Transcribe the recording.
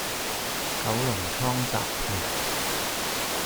九龍倉集團